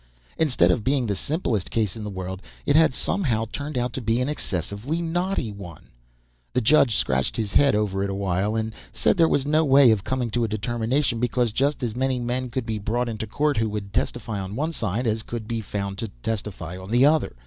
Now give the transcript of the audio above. Instead of being the simplest case in the world, it had somehow turned out to be an excessively knotty one. The judge scratched his head over it awhile, and said there was no way of coming to a determination, because just as many men could be brought into court who would testify on one side as could be found to testify on the other.